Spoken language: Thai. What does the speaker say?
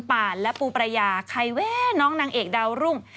ป่านและปูประยาใครแวะน้องนางเอกดาวรุ่ง